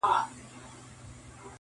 ګلان راوړه سپرلیه له مودو مودو راهیسي,